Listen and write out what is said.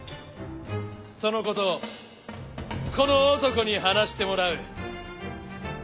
そのことをこの男に話してもらう。